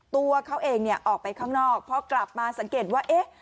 ตัวเขาเองเนี่ยออกไปข้างนอกพอกลับมาสังเกตว่าเอ๊ะ